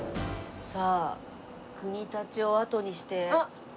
さあ国立をあとにして。